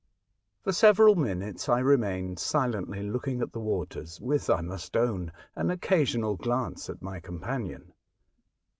For several minutes I remained silently looking at the waters, with, I must own, an occasional glance at my companion.